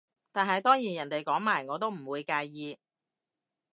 但係當然人哋講埋我都唔會介意